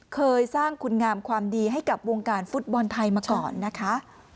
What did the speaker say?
เคยสร้างคุณงามความดีให้กับวงการฟุตบอลไทยมาก่อนนะคะ